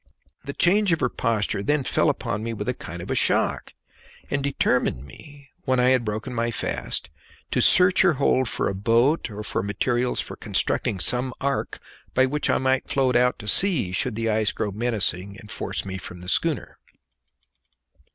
The change of her posture then fell upon me with a kind of shock, and determined me, when I had broken my fast, to search her hold for a boat or for materials for constructing some ark by which I might float out to sea, should the ice grow menacing and force me from the schooner.